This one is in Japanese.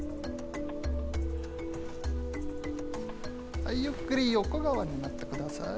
はい、ゆっくり横側になってください。